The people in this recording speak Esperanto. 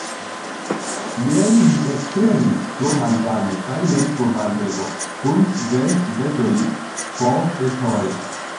Jen mi ektremis pro malvarmo, kaj jen pro varmego kun svensvetoj, po seshore.